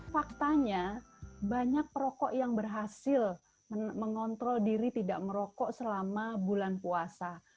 faktanya banyak perokok yang berhasil mengontrol diri tidak merokok selama bulan puasa